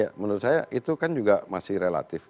ya menurut saya itu kan juga masih relatif